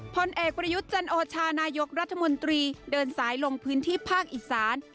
พลเอกประยุทธ์จันโอชานายกรัฐมนตรีเดินสายลงพื้นที่ภาคอีสาน